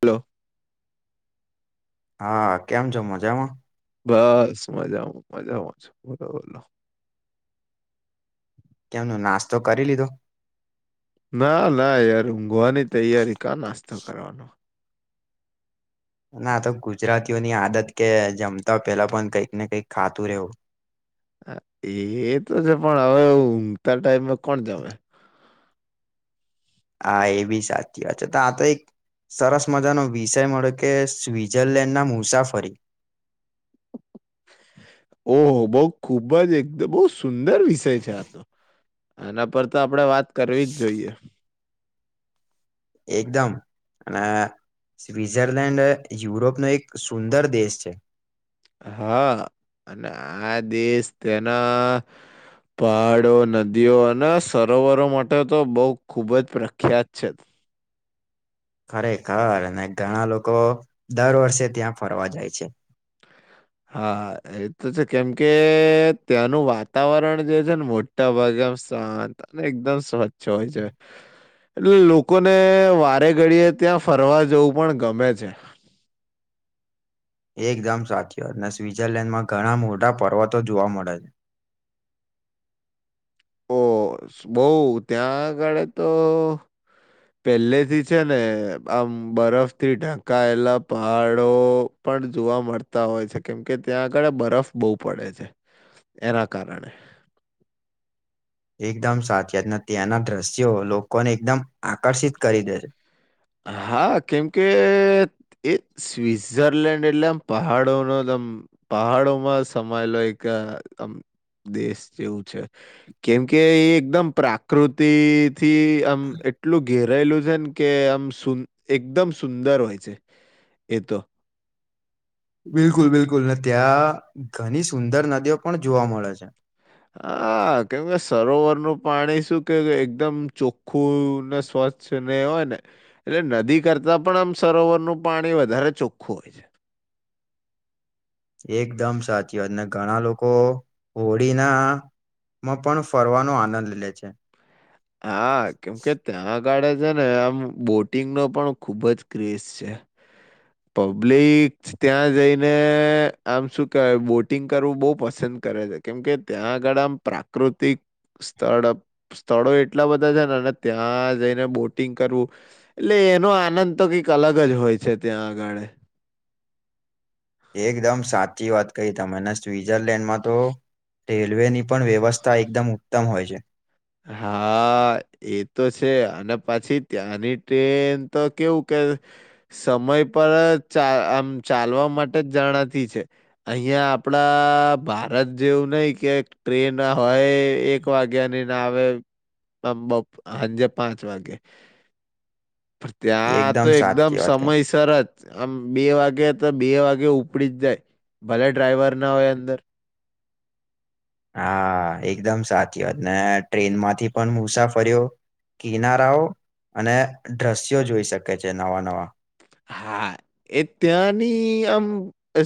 Hello. હા કેમ છ મજામાં. બસ મજામાં મજામાં છ બરોલો. કેમનું નાસ્તો કરી લીધો. ના ના યાર ઊંઘવાની તૈયારી કા નાસ્તો કરવાનો. ના તો ગુજરાતીઓની આદત કે જમતા પેલા પણ કંઈક ને કઈક ખાતું રહેવું. એ તો છે પણ હવે ઊઘતા ટાઈમમાં કોણ જવે. હા એ બી સાચી વાત છે તો આ તો એક સરસ મજાનો વિષય મળ્યો કે સ્વિઝરલેન્ડના મુસાફરી [unintelligible] ઓહ બઉ ખુબ જ એકદમ બહ સુંદર વિષય છે આતો એના પર તો આપણેે વાત કરવી જ જોઈએ. એકદમ. અને સ્વઝરલેન્ડ યુરોપનો એક સુંદર દેશ છે. હા અને આ દેશ તેના પહાડો નદીઓ અને સરોવરો માટે તો બહ ખૂબ જ પ્રખ્યાત છે. ખરેખર અને ઘણા લોકો દર વર્ષે ત્યાં ફરવા જાય છે. હા એ તો છે કેમ કે ત્યાંનું વાતાવરણ જે છે ને મોટા ભાગે એકમ શાંત અને એકદમ સ્વચ્છ હોય છે. એટલે લોકોને વારે ઘડીએ ત્યાં ફરવા જવું પણ ગમે છે. [inaudible] એકદમ સાચી અને સ્વિટ્ઝરલેન્ડમાં ઘણા મોટા પર્વતો જોવા મળે છે. [inaudible] ઓ બહ ત્યાં આગળ તો પેલેથી છે ને આમ બરફથી ઢાંકાયેલા પહાડો પણ જોવા મળતા હોય છે કેમ કે ત્યાં આગળ બરફ બહુ પડે છે. એના કારણે [inaudible] એકદમ સાચ જને ત્યાંના દ્રશ્યો લોકોને એકદમ આકર્ષિત કરી દે છે. હા કેમ કે એ સ્વઝરલેન્ડ એટલે આમ પહાડો ન પહાડોમાં સમાયેલો એક દેશ જેવું છે કેમકે એ એકદમ પ્રાકૃતિક થી આમ એટલું ઘેરાયલું છે ને કે આમ શું એકદમ સુંદર હોય છે એ તો. બિલકુલ બિલકુલ ને ત્યાં ઘણી સુંદર નદીઓ પણ જોવા મળે છે. હા કેમ કે સરોવર ન પાણી શું કે એકદમ ચોખ્ખું ને સ્વ ચ્છ ને હોય ને એટલે નદી કરતા પણ આમ સરોવરનું પાણી વધારે ચોખ્ખું હોય છે. [inaudible] એકદમ સાચી વાત ને ઘણા લોકો હોળીના મ પણ ફરવાનો આનંદ લે છે. હા કેમ ત્યાં ગાડે છે ને આમ બોટિંગનો પણ ખુબ જ ક્રેઝ છે. પબ્લિક ત્યાં જઈને આમ શું કેવાય બોટિંગ કરવું બોવ પસંદ કરે છે કેમ કે ત્યાં આગળ આમ પ્રાકૃતિક સ્થળ સ્થળો એટલા બધા છે ને ત્યાં જઈને બોટિંગ કરવું એટલે એનો આનંદ તો કંઈક અલગ જ હોય છે ત્યાં આગળ એકદમ સાચી વાત કહી તમે સ્વિઝરલેન્ડમાં તો રેલવેની પણ વ્યવસ્થા એકદમ ઉત્તમ હોય છે. હા. એ તો છે અને પછી ત્યાંની ટ્રેન તો કેવું કે સ મય પર ચા આમ ચાલવા માટે જ જણાતી છે અહિયાં આપડા ભારત જેવું નય કે ટ્રેન હોય એક વાગ્યાની ને આવે ને બોપ સાંજે પાંચ વાગે. પણ ત્યાં તો એકદમ સાચી વાત કહી. સમયસર જ આમ બે વાગે તો બે વાગે ઉપડી જ જાય ભલે ડ્રાઈવર ના હોય અંદર હા એકદમ સાચી વાત ને ટ્રેનમાંથી પણ મુસાફર્યો કિનારાઓ અને દ્રશ્યો જોઈ શકે છે નવા નવા. હા એ ત્યાંની આમ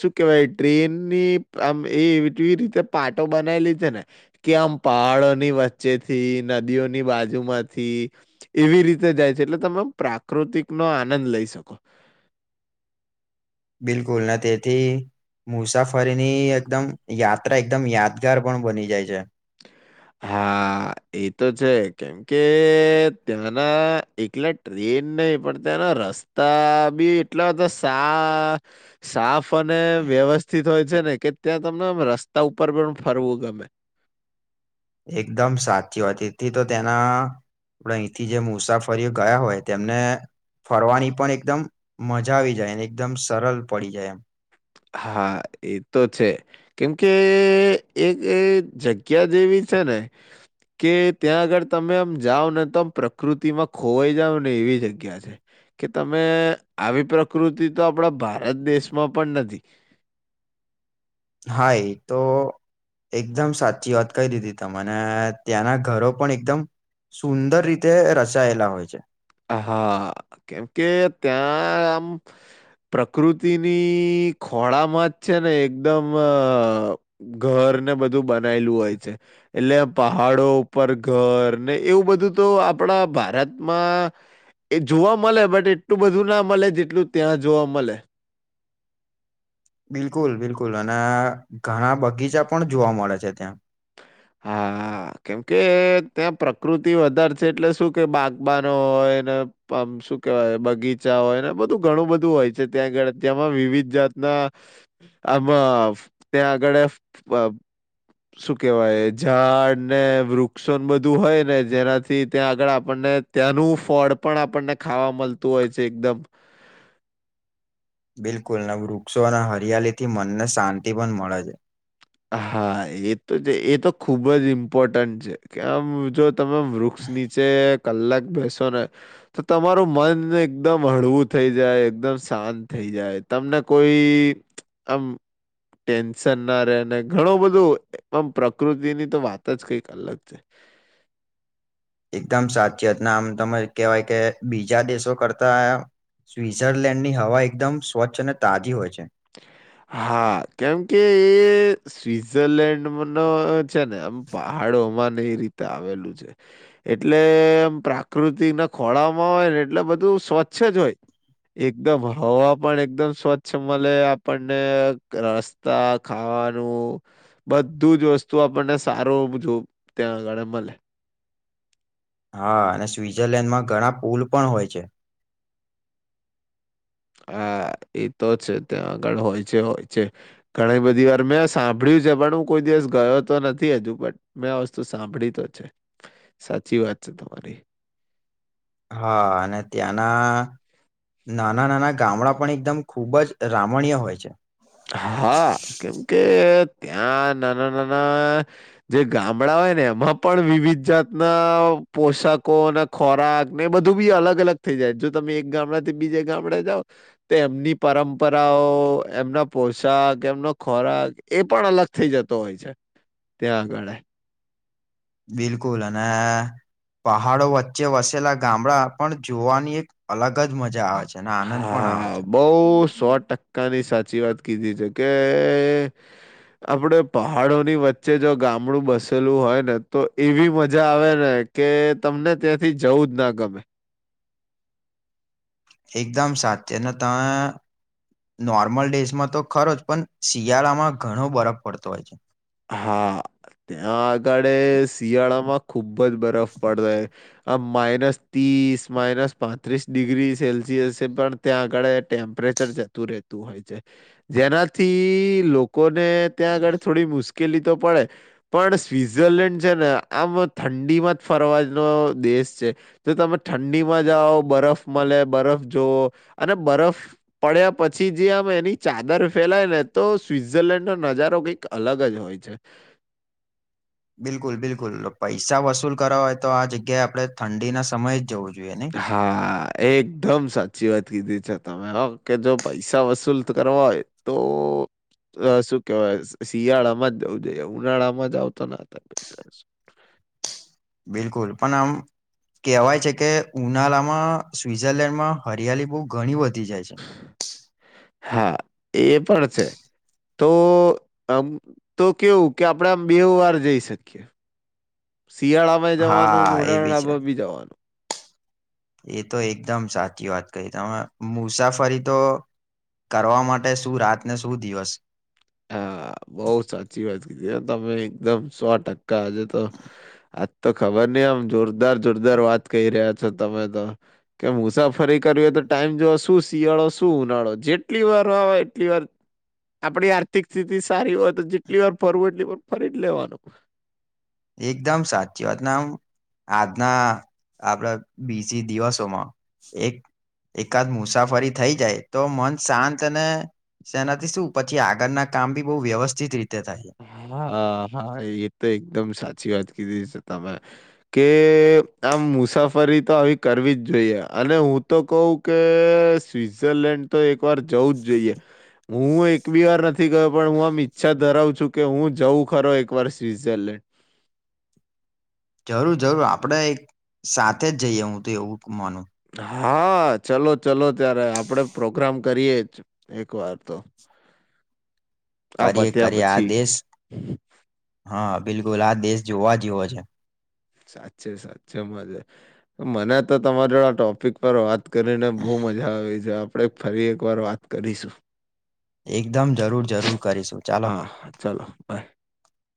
શું કેવાય ટ્રેનની આમ એવી કેવી રીતે પાટો બનાવેલી છે ને કે આમ પહાડોની વચ્ચેથી નદીઓની ની બાજુમાંથી એવી રીતે જાય છે એટલે તમે પ્રાકૃતિકનો આનંદ લઈ શકો. બિલકુલ નથી તી. મુસાફરીની એકદમ યાત્રા એકદમ યાદગાર પણ બની જાય છે. હા. હ એ તો છે કેમકે ત્યાંના એકલે ટ્રેન નહી પણ ત્યાંના રસ્તા બી એટલે તો સા સાફ ને વ્યવસ્થિત હોય છે ને કે ત્યાં તમને એમ રસ્તા ઉપર પણ ફરવું ગમે. એકદમ સાચી હતી તો તેના. આપણે અહીંથી જે મુસાફરીઓ ગયા હોય તેમને ફરવાની પણ એકદમ મજા આવી જાય એકદમ સરળ પડી જાય. હા એ તો છે કેમકે એક જગ્યા જેવી છે ને. કે ત્યાં આગળ તમે આમ જાઓ ને તો આમ પ્રકૃતિમાં ખોવાઈ જાવને એવી જગ્યા છે. કે તમે આવી પ્રકૃતિ તો આપડા ભારત દેશમાં પણ નથી. હા એતો એકદમ સાચી વાત કહી દીધી તો મને ત્યાંના ઘરો પણ એકદમ સુંદર રીતે રચાયેલા હોય છે. હા કેમ કે ત્યાં આમ પ્રકૃતિની ખોળામાં જ છે ને એકદમ અ ઘર ને બધું બનાયલું હોય છે એટલે પહાડો ઉપર ઘરને એવું બધું તો અ પણા ભારતમાં એ જોવા મલે બટ એટલું બધું ના મલે જેટલું ત્યાં જોવા મલે. બિલકુલ બિલકુલ અને ઘણા બગીચા પણ જોવા મળે છે ત્યાં. હા કેમકે ત્યાં પ્રકૃતિ વધારે છે એટલે શું કે બાગબનો હોય ને આમ શું કેહેવાય બગીચા તા હોયને બધું ઘણું બધું હોય છે ત્યાં આગળ ત્યાંમાં વિવિધ જાતના આમાં ત્યા આગડ અ [inaudible] શું કેહેવાય ઝાડ ને વૃક્ષો બધું હોય ને જેનાથી ત્યાં આગળ આપણને ત્યાંનું ફળ પણ આપણને ખાવા મલતું હોય છે એકદમ [inaudible] બિલકુલ ને વૃક્ષો અને હરિયાલીથી મનને શાંતિ પણ મળે છે. હા એ તો જે એ તો ખુબ જ ઇમ્પોર્ટન્ટ છે કેમ જો તમામ વૃક્ષ નીચે કલાક બેસો ને તો તમારું મનને એકદમ હળવું થઈ જાય એકદમ શાંત થઇ. થી જાય તમને કોઈ આમ ટેન્શન ના રે. ઘણું બધું અ આમ પણ પ્રકૃતિની તો વાત જ કઈક અલગ છે. એકદમ સાચી વાત ને આમ તમે કહેવાય કે બીજા દેશો કરતા સ્વટ્ઝરલેન્ડની હવા એકદમ સ્વચ્છ અને તાજી હોય છે. હા કેમ કે એ સ્વઝરલેન્ડનો છે ને એમ પહાડ ડૉ મા એ રીતે આવેલું છે એટલે એમ પ્રાકૃતિક ના ખોળામાં હોય ને એ એટલે બધું સ્વચ્છ જ હોય એકદમ હવા પણ એકદમ સ્વચ્છ મળે આપણને રસ્તા ખાવાનું બધું જ વસ્તુ આપણ ને સારો બધો જો ત્યાં આગળ મળે. હા અને સ્વિઝરલેન્ડમાં ઘણા પુલ પણ હોય છે. હા એ તો છે ત્યાં આગળ હોય છે હોય છે ઘણી બધી વાર મેં સાંભળ્યું છે પણ હું કોઈ દિવસ ગયો તો નથી હજુ પણ મેં આ વસ્તુ સાંભળી તો છે. સાચી વાત છે તમારી. હા અને ત્યાંના નાના નાના ગામડાં પણ એકદમ ખૂબ જ રામણીય હોય છે. હા કેમ કે ત્યાં નાના નાના જે ગામડા હોય ને એમાં પણ વિવિધ જાત ના પોષાકો અને ખોરાક ને એ બધું બી અલગ અલગ થઈ જાય જો તમે એક ગામડાથી બીજે ગામડે જાઓ તો એમની પરંપરાઓ એમના પોશાક એમનો ખોરાક એ પણ અલગ થઈ જતો હોય છે ત્યાં આગળ. બિલકુલ અને આ પહાડો વચ્ચે વસેલા ગામડા પણ જોવાની એક અલગ જ મજા આવે. અને આનંદ પણ આવે હા છે. બહુ સો ટકા ની સાચી વાત કીધી છે કે આપડે પહાડોની વચ્ ચ્ચે જો ગામડું બસેલું હોય ને તો એવી મજા આવે ને કે તમને ત્યાંથી જવું બુજ ના ગમે. એકદમ સાચી અને ત નોર્મલ ડેઝમાં તો ખરો જ પણ શિયાળામાં ઘણો બરફ પડતો હોય છે. હા. ત્યાં આગળ શિયાળામાં ખુબ જ બરફ પડતો આ માઇનસ ત્રીસ માઇનસ પાંત્રીસ ડિગ્રી સેલ્સિયસ છે પણ ત્યાં આગળ ટેમ્પ રેચર જતું રહેતું હોય છે જેનાથી લોકોને ત્યાં આગળ થોડી મુશ્ક કીલી તો પડે પણ સ્વઝરલેન્ડ છે ને આમ ઠંડીમાં જ ફરવાનો દે શ છે જો તમે ઠંડીમાં જાઓ બરફ મળે બરફ જવ અને બરફ પડ્યા પછી જે આમ એની ચાદર ફેલાય ને તો સ્વટઝરલેન્ડ નો નજારો કંઈક અલગ જ હોય. હોય છે. બિલકુલ બિલકુલ પૈસા વસુલ કરવા હોય તો આ જગ્યાએ આપણે ઠંડીના સમય જ જવું જોએ. હા. એકદમ સાચી વાત કીધી છે તમે કે જો પૈસા વસૂલ કરવા હોય તો શું કેવાય શિયાળામાં જ જવું જોઈએ ઉનાળામાં જ આવતા ન થતા પૈસા વસુલ બિલકુલ પણ આમ કહેવાય છે કે ઉનાળામાં સ્વિઝરલેન્ડ માં હરિયાળલી બહુ ઘણી બધી થઈ જાય છે. હા એ પણ છે. તો આમ તો કેવું કે આપણે આમ બે વાર જઈ શકીએ. [inaudible] શિયાળામાં જવાનું હા એ બી છે ઉનાળામાં ભી જવાનું. એ તો એકદમ સાચી વાત કહી તમે મુસાફરી તો કરવા માટે શું રાતને શું દિવસ. હા બઉ સાચી વાત કીધી તમે એકદમ સો ટકા આજે તો આજ તો ખબર નહી આમ જોરદાર જોરદાર વાત કહી રહ્યા છો તમે તો કે મુસાફરી કરવી. ટાઈમ જો શું શિયાળો શું ઉનાળો જેટલી વાર વા એટલી વાર આપડી આ ર્થિક સ્થિતિ સારી હોય તો જેટલી વાર ફરવું એટલી વાર ફરી જ લેવાનું એકદમ સાચી વાત નામ આજના આપડા બીજી દિવસોમાં એક એકાદ મુસાફરી થઈ જાય તો મન શાંત અને સેનાથી શું પછી આગળના કામ ભી બહુ વ્યવસ્થિત રીતે થાય હા હા એ તો એકદમ સાચું સાચી વાત કીધી છે તમે કે આમ મુસાફરી તો આવી કરવી જ જોઈએ. અને હું તો કઉ કે સ્વઝરલેન્ડ તો એક પર જવું જ જોઈએ હું એક બી વાર નથી ગયો પણ હું આમ ઈચ્છા ધરાવ શું કે હું જવું ખરો એક વાર સ્વઝરલેન્ડ. જરૂર જરૂર આપડે એક સાથે જ જઈએ હું તો એવું માનું. હા ચલો ચલો ત્યારે આપડે પ્રોગ્રામ કરીએ જ એક વાર તો. આ કરીએ પત્યા કરીએ પછી. આદેશ હા બિલકુલ આદેશ. જોવા જેવો છે. સાચે સાચે મજા મને તો તમારે આ ટોપિક પર વાત કરીને બહુ મજા આવે છે આપણે ફરી એક વાર વાત કરીશું? એકદમ જરૂર જરૂર કરીશું ચાલો હા ચાલો બાય.